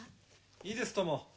いいですとも。